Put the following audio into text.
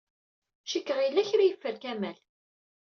Cikkeɣ yella kra ay yeffer Kamal.